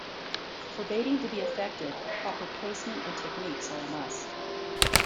For baiting to be effective, proper placement and techniques are a must.